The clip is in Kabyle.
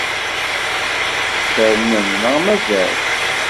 Tfernem neɣ mazal?